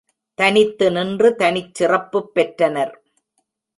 தனித்து நின்று தனிச்சிறப்புப் பெற்றனர்.